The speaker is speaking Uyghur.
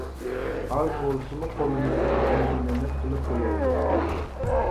ئاز بولسىمۇ قولىمىزدىن كەلگىنىنى قىلىپ قويايلى!